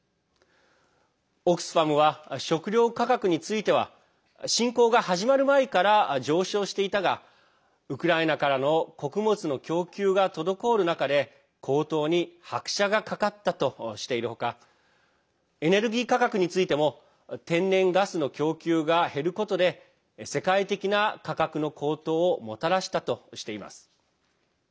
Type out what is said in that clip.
オックスファムは食料価格については侵攻が始まる前から上昇していたがウクライナからの穀物の供給が滞る中で高騰に拍車がかかったとしている他エネルギー価格についても天然ガスの供給が減ることで世界的な価格の高騰をもたらしたとしています。